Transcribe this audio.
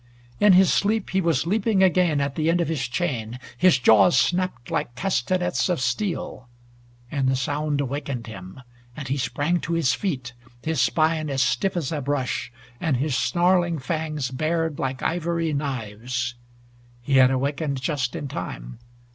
In his sleep he was leaping again at the end of his chain. His jaws snapped like castanets of steel, and the sound awakened him, and he sprang to his feet, his spine as stiff as a brush, and his snarling fangs bared like ivory knives. He had awakened just in time.